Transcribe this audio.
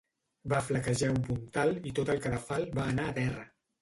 Va flaquejar un puntal i tot el cadafal va anar a terra.